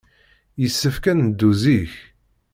Yessefk ad neddu zik.